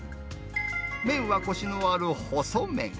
麺はこしのある細麺。